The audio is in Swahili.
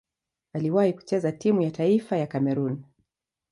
Aliwahi kucheza timu ya taifa ya Kamerun.